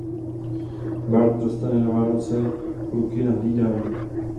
Bart dostane na Vánoce kluky na hlídání.